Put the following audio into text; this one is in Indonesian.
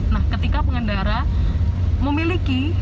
nah ketika pengendara memiliki